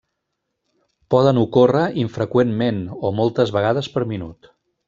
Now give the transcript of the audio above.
Poden ocórrer infreqüentment, o moltes vegades per minut.